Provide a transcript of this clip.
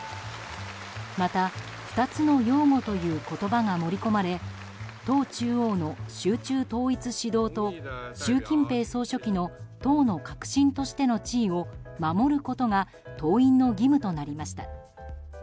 また、２つの擁護という言葉が盛り込まれ党中央の集中統一指導と習近平総書記の党の核心としての地位を守ることが党員の義務となりました。